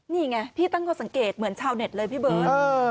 นี่ไงพี่ตั้งข้อสังเกตเหมือนชาวเน็ตเลยพี่เบิร์ต